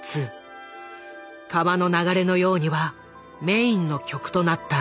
「川の流れのように」はメインの曲となった。